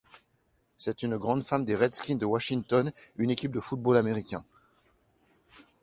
C'est une grande fan des Redskins de Washington, une équipe de football américain.